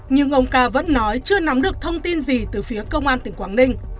nhưng ông ca vẫn nói chưa nắm được thông tin gì từ phía công an tỉnh quảng ninh